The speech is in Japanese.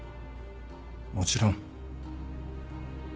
もちろん。